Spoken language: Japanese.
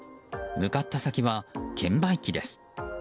向かった先は券売機です。